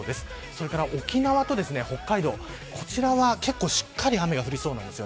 それから、沖縄と北海道こちらはしっかり雨が降りそうなんです。